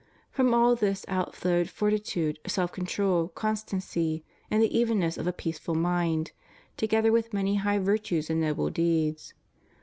From all this outflowed fortitude, self control, constancy, and the evenness of a peaceful mind, together with many high virtues and noble deeds.